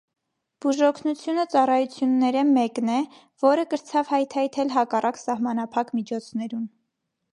Բուժօգնութիւնը ծառայութիւններէ մէկն է, որ կրցաւ հայթայթել հակառակ սահմանափակ միջոցներուն։